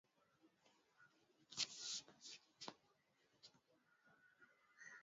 Minyoo huambukizwa kwa kula nyasi zilizoathiriwa na viluilui au mayai ya minyoo